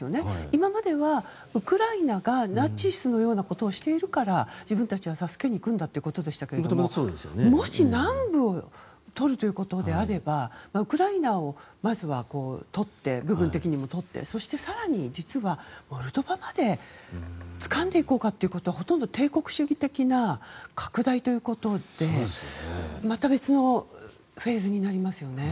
今まではウクライナがナチスのようなことをしているから自分たちは助けに行くんだということでしたけどもし南部を取るということであればウクライナをまずは部分的にも取ってそして更に、実はモルドバまでつかんでいこうかということはほとんど帝国主義的な拡大ということでまた別のフェーズになりますよね。